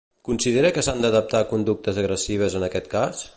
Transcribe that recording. Considera que s'han d'adaptar conductes agressives en aquest cas?